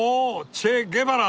チェ・ゲバラ！